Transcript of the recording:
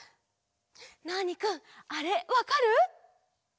ナーニくんあれわかる？